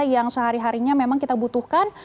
yang sehari harinya memang kita butuhkan